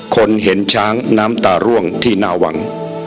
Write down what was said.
คนเห็นช้างน้ำตาร่วงที่หน้าวัง